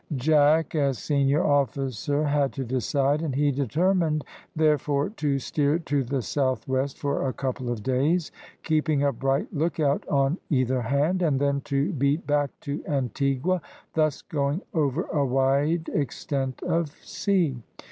Jack, as senior officer, had to decide, and he determined, therefore, to steer to the south west for a couple of days, keeping a bright look out on either hand, and then to beat back to Antigua, thus going over a wide extent of sea.